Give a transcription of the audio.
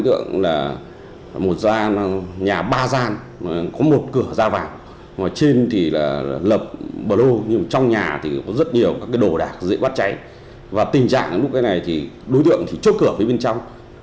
trong nhà có rất nhiều đồ đạc dễ bắt chay tình trạng lúc này đối tượng chốt cửa phía bên trong